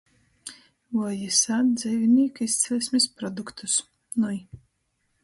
Voi jis ād dzeivinīku izceļsmis produktus? Nui.